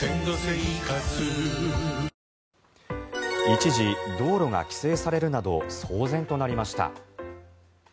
一時、道路が規制されるなど騒然となりました。